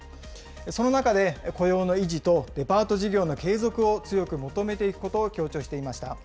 その中で、雇用の維持とデパート事業の継続を強く求めていくことを強調していました。